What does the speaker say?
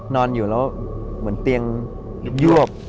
นอนอยู่แล้วเหมือนเตียงยวก